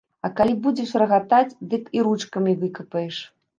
А калі будзеш рагатаць, дык і ручкамі выкапаеш!